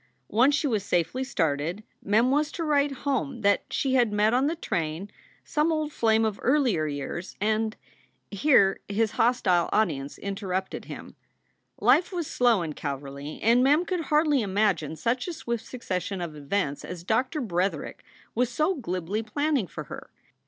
Once she was safely started, Mem was to write home that she had met on the train some old flame of earlier years and 30 SOULS FOR SALE Here his hostile audience interrupted him. Life was slow in Calverly, and Mem could hardly imagine such a swift succession of events as Doctor Bretherick was so glibly planning for her.